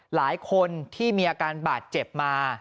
หลายคนที่มีอาการบาดเจ็บมา